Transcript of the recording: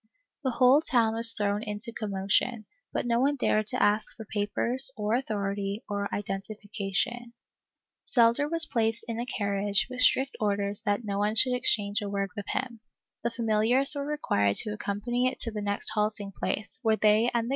The whole town was thrown into commotion, but no one dared to ask for papers, or authority, or identification. Xelder was placed in a carriage, with strict orders that no one should exchange a word with him; the familiars were required to accompany it to the next halting place, where they and the carriage ^ Archive de Simancas, Hacienda, Leg.